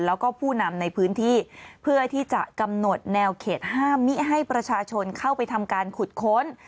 แล้วก็ผู้นำในพื้นที่เพื่อที่จะกำหนดแนวเขตห้ามมิให้ประชาชนเข้าไปทำการขุดค้น